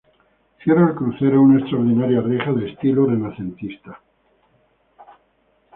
Cierra el crucero una extraordinaria reja de estilo renacentista.